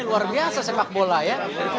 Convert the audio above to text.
luar biasa sepak bola ya